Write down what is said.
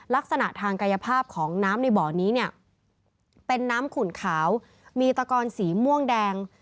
ลักษณะทางกายภาพของน้ำในบ่อนี้เนี่ยเป็นน้ำขุ่นขาวมีตะกอนสีม่วงแดง